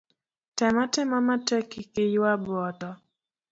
Tem atema matek kik iywa boto